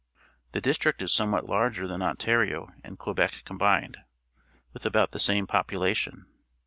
The dis trict is somewhat larger than Ontario and Quebec combined, with about the same pop ulation.